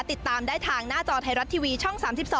ติดตามได้ทางหน้าจอไทยรัฐทีวีช่อง๓๒